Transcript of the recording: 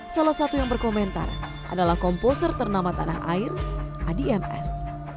salah satu yang berkomentar adalah komposer ternama tanah air adi ms